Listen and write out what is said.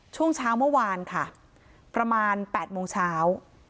ช่วงเช้าเมื่อวานค่ะประมาณ๘โมงเช้า